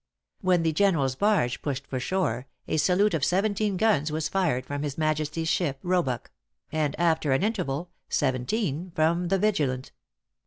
When the general's barge pushed for shore, a salute of seventeen guns was fired from His Majesty's ship Roebuck; and after an interval, seventeen from the Vigilant.